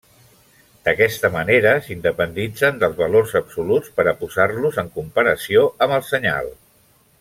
D'aquesta manera, s'independitzen dels valors absoluts per a posar-los en comparació amb el senyal.